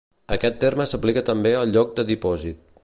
Aquest terme s'aplica també al lloc de dipòsit.